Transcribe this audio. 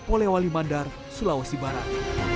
oleh wali mandar sulawesi barat